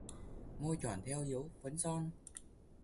Môi tròn theo dấu phấn son